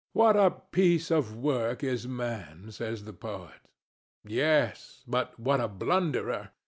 What a piece of work is man! says the poet. Yes: but what a blunderer!